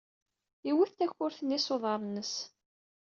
Iwet takurt-nni s uḍar-nnes.